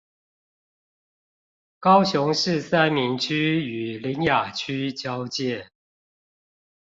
高雄市三民區與苓雅區交界